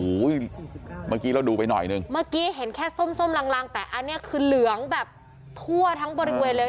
โอ้โหเมื่อกี้เราดูไปหน่อยหนึ่งเมื่อกี้เห็นแค่ส้มส้มลังแต่อันนี้คือเหลืองแบบทั่วทั้งบริเวณเลย